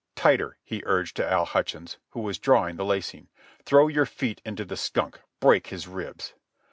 "Tighter!" he urged to Al Hutchins, who was drawing the lacing. "Throw your feet into the skunk. Break his ribs."